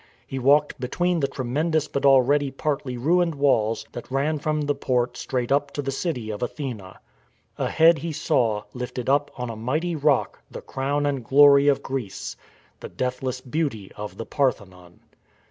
He walked between the tremendous but already partly ruined walls that ran from the port straight up to the city of Athene. Ahead he saw, lifted up on a mighty rock, the crown and glory of Greece, — the deathless beauty of the Parthenon.